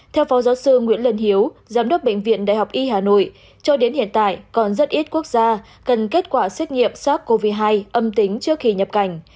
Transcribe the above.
theo phó giáo sư nguyễn lân hiếu giám đốc bệnh viện đại học y hà nội cho đến hiện tại còn rất ít quốc gia cần kết quả xét nghiệm sars cov hai âm tính trước khi nhập cảnh